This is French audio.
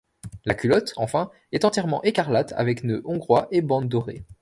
La culotte, enfin, est entièrement écarlate avec nœuds hongrois et bande dorés.